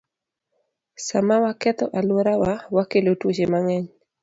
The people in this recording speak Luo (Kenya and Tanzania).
Sama waketho alworawa, wakelo tuoche mang'eny.